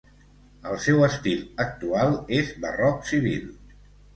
El seu estil actual és barroc civil.